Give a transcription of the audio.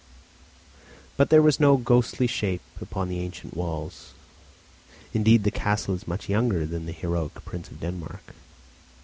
But there was no ghostly shape upon the ancient walls. Indeed, the castle is much younger than the heroic prince of Denmark.